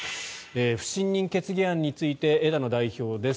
不信任決議案について枝野代表です。